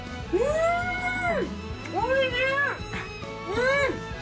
うん！